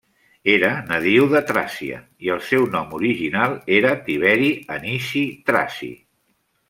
Era nadiu de Tràcia i el seu nom original era Tiberi Anici Traci.